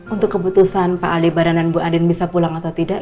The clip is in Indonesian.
untuk keputusan pak aldebaran dan bu andin bisa pulang atau tidak